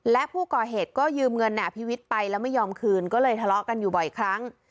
และผู้ก่อเหตุก็ยืมเงินนายอภิวิตไปแล้วไม่ยอมคืนก็เลยทะเลาะกันอยู่บ่อยครั้ง